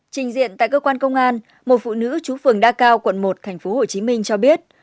trình diện tại cơ quan công an một phụ nữ chú phường đa cao quận một tp hcm cho biết